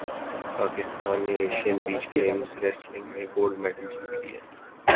پاکستان نےایشئین beach games wrestling میں gold medal جیت لیا